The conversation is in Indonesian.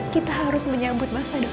kita harus menyambut masa depan